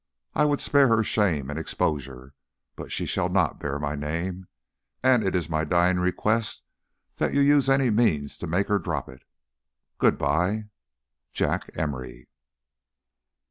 I would spare her shame and exposure, but she shall not bear my name, and it is my dying request that you use any means to make her drop it. Good bye. JACK EMORY.